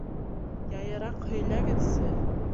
Яйыраҡ һөйләгеҙсе.